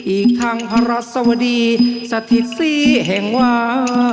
อีกทั้งพระรัสวดีสถิตศรีแห่งวา